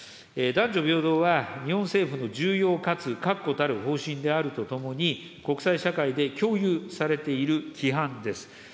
男女平等は、日本政府の重要かつ確固たる方針であるとともに、国際社会で共有されている規範です。